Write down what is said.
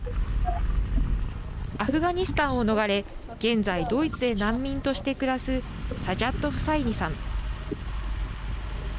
アフガニスタンを逃れ現在ドイツで難民として暮らすサジャッド・フサイニさん。